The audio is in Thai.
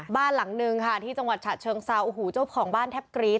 บ้านหลังนึงค่ะที่จังหวัดฉะเชิงเซาโอ้โหเจ้าของบ้านแทบกรี๊ด